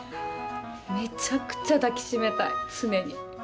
めちゃくちゃ抱きしめたい、常に。